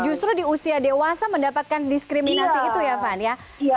justru di usia dewasa mendapatkan diskriminasi itu ya van ya